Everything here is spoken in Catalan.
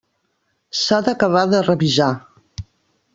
S'ha d'acabar de revisar.